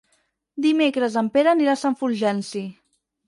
Dimecres en Pere anirà a Sant Fulgenci.